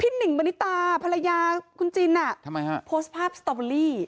พี่หนิ่งบรรณิตาภรรยาคุณจินโพสต์ภาพสตรอเบอร์รี่